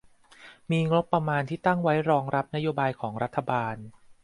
มีงบประมาณที่ตั้งไว้รองรับนโยบายของรัฐบาล